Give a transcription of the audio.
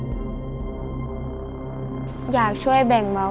พี่น้องของหนูก็ช่วยย่าทำงานค่ะ